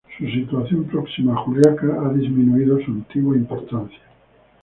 Su situación próxima a Juliaca le ha disminuido su antigua importancia.